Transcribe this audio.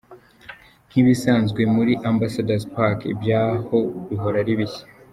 Nk’ibisanzwe muri Ambassador’s Park ibyaho bihora ari bishya.